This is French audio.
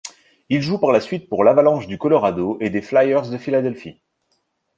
Il joue par la suite pour l'Avalanche du Colorado et les Flyers de Philadelphie.